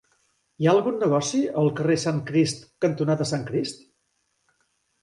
Hi ha algun negoci al carrer Sant Crist cantonada Sant Crist?